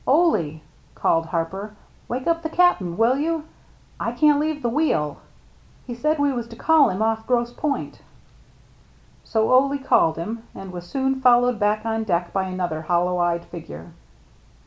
" Ole," called Harper, " wake up the Cap'n, will you ? I can't leave the wheel. He said we was to call him ofF Grosse Pointe." So Ole called him, and was soon followed back on deck by another hollow eyed figure.